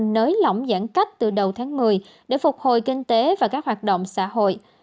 nới lỏng giãn cách từ đầu tháng một mươi để phục hồi kinh tế và các hoạt động xã hội